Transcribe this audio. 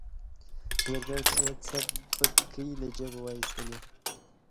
زرګر ته یې څه بتکۍ له جیبه وایستلې.